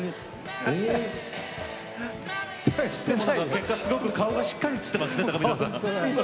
結果すごく顔がしっかり映ってますね高見沢さん。